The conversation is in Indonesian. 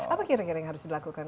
apa kira kira yang harus dilakukan